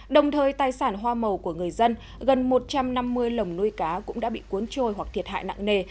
đồng thời tài sản hoa màu của người dân gần một trăm năm mươi lồng nuôi cá cũng đã bị cuốn trôi hoặc thiệt hại nặng nề